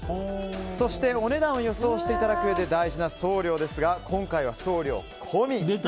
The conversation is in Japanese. そして、お値段を予想していただくうえで大事な送料ですが今回は送料込み。